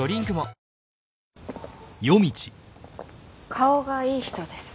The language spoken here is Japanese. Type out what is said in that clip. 顔がいい人です。